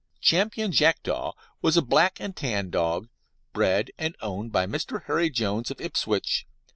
Ch. Jackdaw was a black and tan dog, bred and owned by Mr. Harry Jones, of Ipswich.